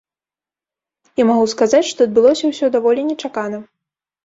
І магу сказаць, што адбылося ўсё даволі нечакана.